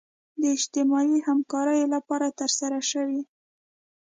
د اجتماعي همکاریو لپاره ترسره شوي.